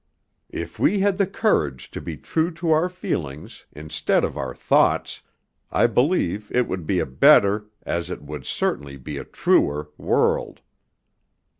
If we had the courage to be true to our feelings, instead of our thoughts, I believe it would be a better, as it would certainly be a truer, world."